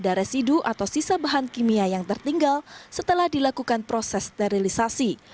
ada residu atau sisa bahan kimia yang tertinggal setelah dilakukan proses sterilisasi